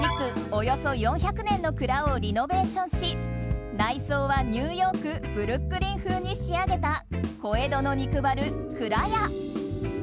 およそ４００年の蔵をリノベーションし内装はニューヨークブルックリン風に仕上げた小江戸の肉バル蔵や。